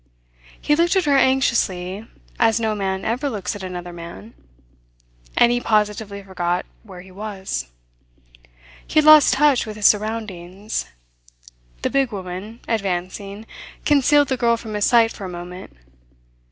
He looked at her anxiously, as no man ever looks at another man; and he positively forgot where he was. He had lost touch with his surroundings. The big woman, advancing, concealed the girl from his sight for a moment.